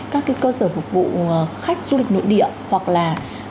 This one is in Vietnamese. các cơ sở phục vụ khách du lịch nội địa hoặc là